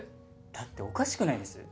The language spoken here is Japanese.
だっておかしくないです？